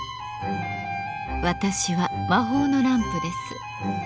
私は魔法のランプです。